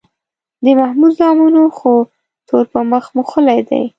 د محمود زامنو خو تور په مخ موښلی دی